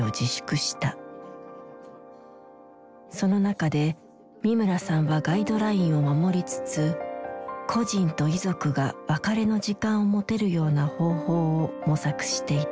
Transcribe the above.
その中で三村さんはガイドラインを守りつつ故人と遺族が別れの時間を持てるような方法を模索していた。